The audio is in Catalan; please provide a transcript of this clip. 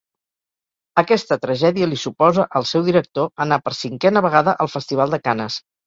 Aquesta tragèdia li suposa al seu director anar per cinquena vegada al festival de Canes.